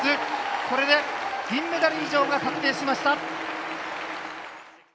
これで銀メダル以上が確定しました！